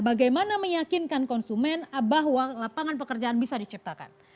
bagaimana meyakinkan konsumen bahwa lapangan pekerjaan bisa diciptakan